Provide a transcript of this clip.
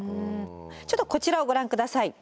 ちょっとこちらをご覧下さい。